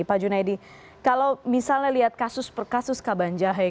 pak junaidi kalau misalnya lihat kasus per kasus kaban jahe